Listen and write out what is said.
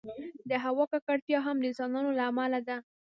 د هوا ککړتیا هم د انسانانو له امله ده.